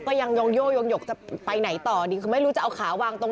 ก็ยังยงโย่ยงหยกจะไปไหนต่อดีคือไม่รู้จะเอาขาวางตรง